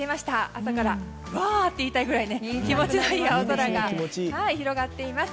朝からわー！って言いたいぐらい気持ちのいい青空が広がっています。